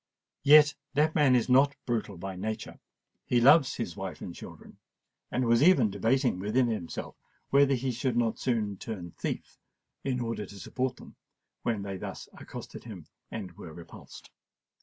Yet that man is not brutal by nature: he loves his wife and children—and was even debating within himself whether he should not soon turn thief in order to support them, when they thus accosted him and were repulsed.